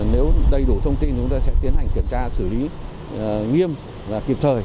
nếu đầy đủ thông tin chúng ta sẽ tiến hành kiểm tra xử lý nghiêm và kịp thời